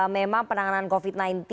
memang penanganan covid sembilan belas